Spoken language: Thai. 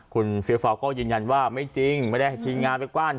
คุณเฟี้ยวฟ้าก็ยืนยันว่าไม่จริงไม่ได้ให้ทีมงานไปกว้าน